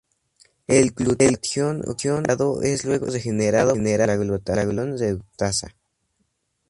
El glutatión oxidado es luego regenerado por la glutatión reductasa.